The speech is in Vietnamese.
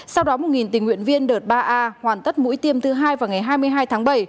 sau đó một tình nguyện viên đợt ba a hoàn tất mũi tiêm thứ hai vào ngày hai mươi hai tháng bảy